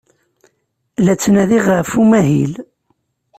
La ttnadiɣ ɣef umahil.